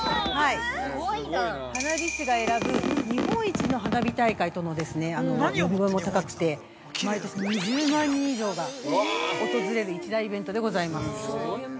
花火師が選ぶ日本一の花火大会との呼び声も高くて毎年、２０万人以上が訪れる一大イベントでございます。